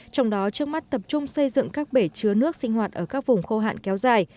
trong đó trước mắt tập trung xây dựng các bể chứa nước sinh hoạt ở các vùng khô hạn kéo dài